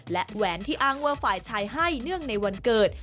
และแหวนที่อ้างว่าฝ่ายชายให้เนื่องในวันเกิด